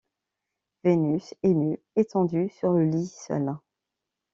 Vénus est nue, étendue sur le lit, seule.